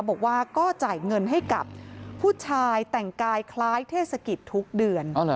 บอกว่าก็จ่ายเงินให้กับผู้ชายแต่งกายคล้ายเทศกิจทุกเดือน